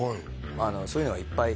そういうのがいっぱい